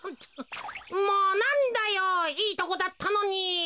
もうなんだよいいとこだったのに。